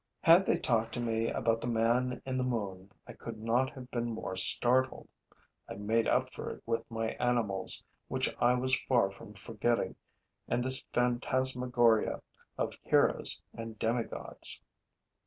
Had they talked to me about the man in the moon, I could not have been more startled. I made up for it with my animals, which I was far from forgetting amid this phantasmagoria of heroes and demigods.